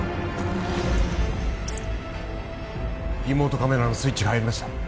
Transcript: リモートカメラのスイッチが入りました